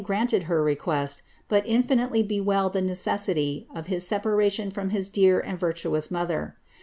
granted her request^ but infinitely bewailed the neces sity of his separation front his dear and virtuous mother.